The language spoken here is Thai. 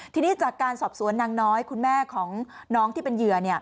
ทีนี้จากการสอบสวนนางน้อยคุณแม่ของน้องที่เป็นเหยื่อ